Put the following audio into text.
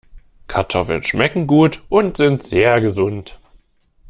Kartoffeln schmecken gut und sind sehr gesund.